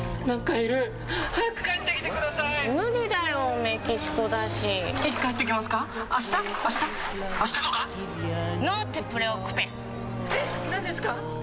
何ですか？